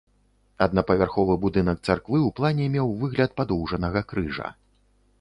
Аднапавярховы будынак царквы ў плане меў выгляд падоўжанага крыжа.